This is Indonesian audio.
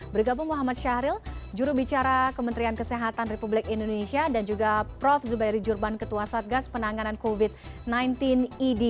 bergabung muhammad syahril jurubicara kementerian kesehatan republik indonesia dan juga prof zubairi jurban ketua satgas penanganan covid sembilan belas idi